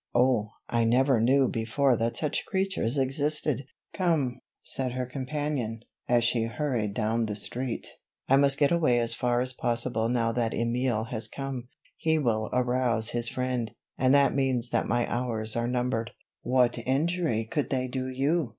"Oh, I never knew before that such creatures existed!" "Come," said her companion, as she hurried down the street. "I must get as far away as possible now that Emile has come. He will arouse his friend, and that means that my hours are numbered." "What injury could they do you?"